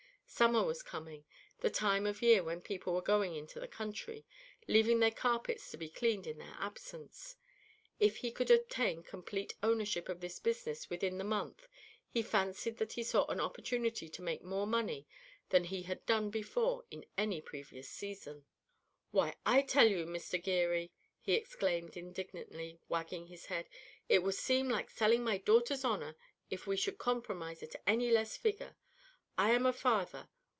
Summer was coming, the time of year when people were going into the country, leaving their carpets to be cleaned in their absence. If he could obtain complete ownership of his business within the month he fancied that he saw an opportunity to make more money than he had done before at any previous season. "Why, I tell you, Mister Geary," he exclaimed indignantly, wagging his head, "it would seem like selling my daughter's honour if we should compromise at any less figure. I am a father.